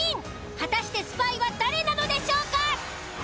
果たしてスパイは誰なのでしょうか？